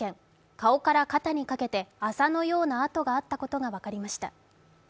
顔から肩にかけてあざのような痕があったことが分かりました。